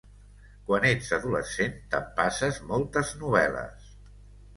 Quan ets adolescent t'empasses moltes novel·les.